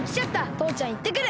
とうちゃんいってくる！